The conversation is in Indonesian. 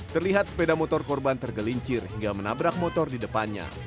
terlihat sepeda motor korban tergelincir hingga menabrak motor di depannya